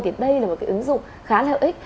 thì đây là một cái ứng dụng khá là ích